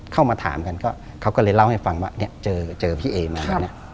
เขามาถามกันเขาก็เล่าให้ฟังเจอพี่เอมา